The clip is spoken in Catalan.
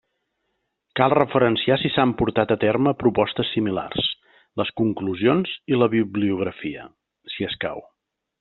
Cal referenciar si s'han portat a terme propostes similars, les conclusions i la bibliografia, si escau.